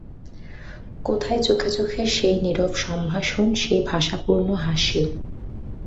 কোথায় চোখে চোখে সেই নীরব সম্ভাষণ, সেই ভাষাপূর্ণ হাসি!